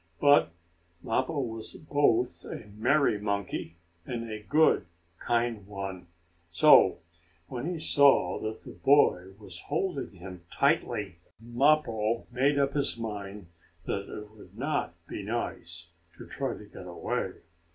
But Mappo was both a merry monkey, and a good, kind one. So, when he saw that the boy was holding him tightly, Mappo made up his mind that it would not be nice to try to get away.